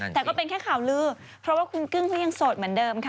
แต่ก็เป็นแค่ข่าวลือเพราะว่าคุณกึ้งก็ยังโสดเหมือนเดิมค่ะ